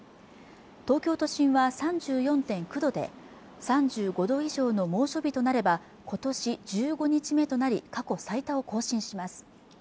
東京都心は３４．９度で３５度以上の猛暑日となれば今年１５日目となり過去最多を更新します